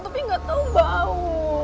tapi gak tahu bau